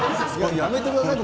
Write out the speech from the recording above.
やめてください。